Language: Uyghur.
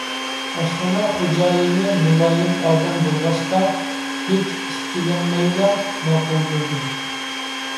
ئاشخانا خوجايىنى مۇلايىم ئادەم بولغاچقا، ھېچ ئىككىلەنمەيلا ماقۇل بولدى.